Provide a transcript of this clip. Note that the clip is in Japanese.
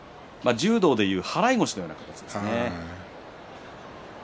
柔道でいう払い腰のような形。